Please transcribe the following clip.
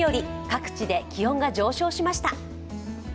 各地で気温が上昇しました。